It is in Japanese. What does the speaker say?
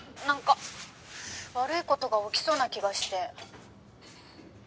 「なんか悪い事が起きそうな気がして」